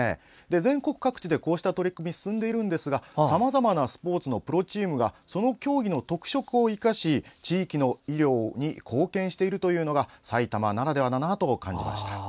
全国各地でこうした取り組みは進んでいますがさまざまなスポーツのプロチームが競技の特色をそれぞれ生かし地域に貢献しているのが埼玉ならではだと感じました。